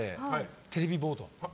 テレビボード。